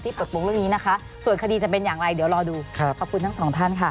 ปลดปรุงเรื่องนี้นะคะส่วนคดีจะเป็นอย่างไรเดี๋ยวรอดูครับขอบคุณทั้งสองท่านค่ะ